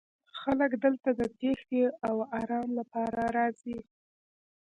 خلک دلته د تیښتې او ارام لپاره راځي